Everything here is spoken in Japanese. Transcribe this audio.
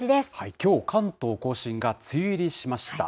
きょう、関東甲信が梅雨入りしました。